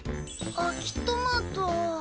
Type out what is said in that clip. あきトマト？